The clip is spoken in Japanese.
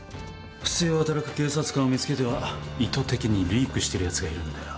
不正を働く警察官を見つけては意図的にリークしてるやつがいるんだよ